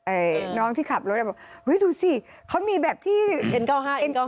ไอ้น้องที่ขับรถแล้วบอกเฮ้ยดูสิเขามีแบบที่เอ็นเก้าห้าเอ็นเก้าห้า